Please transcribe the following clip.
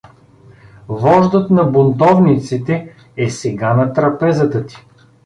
Вождът на бунтовниците е сега на трапезата ти.